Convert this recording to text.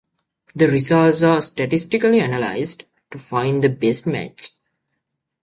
The results are statistically analyzed to find the best match.